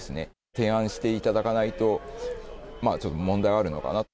提案していただかないと、まあちょっと、問題はあるのかなと。